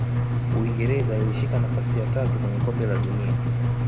uingereza ilishika nafasi ya tatu kwenye kombe la dunia